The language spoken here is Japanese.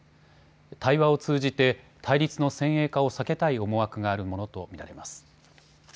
対話を通じて対立の先鋭化を避けたい思惑があるものと見られます。